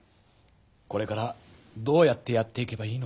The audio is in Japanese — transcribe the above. これからどうやってやっていけばいいのか。